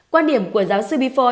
quan điểm của giáo sư bifor